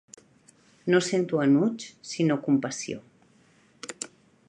No sento enuig, sinó compassió.